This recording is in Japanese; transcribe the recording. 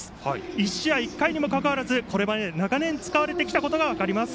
１試合１回にもかかわらずこれまで長年使われたことが分かります。